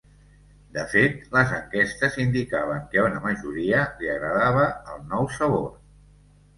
De fet, les enquestes indicaven que a una majoria li agradava el nou sabor.